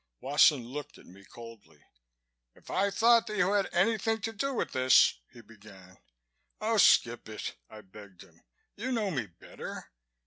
Wasson looked at me coldly. "If I thought that you had anything to do with this " he began. "Oh skip it!" I begged him. "You know me better."